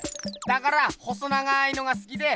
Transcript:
だから細長いのがすきで。